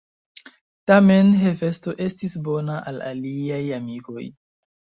Tamen Hefesto estis bona al liaj amikoj.